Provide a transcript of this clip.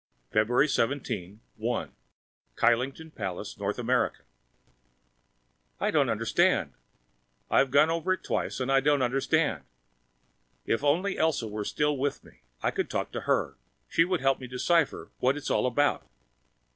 February 17, 1 Kyleton Palace, North America I don't understand. I've gone over it twice, and I don't understand. If only Elsa were still with me! I could talk to her. She would help me decipher what it's all about.